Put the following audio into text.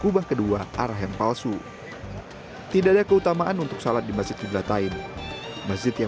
kubah kedua arah yang palsu tidak ada keutamaan untuk salat di masjid qiblatain masjid yang